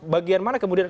bagian mana kemudian